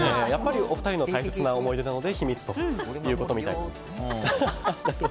お二人の大切な思い出なので秘密ということみたいです。